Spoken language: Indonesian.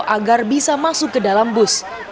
agar bisa masuk ke dalam bus